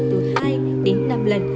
từ hai đến năm lần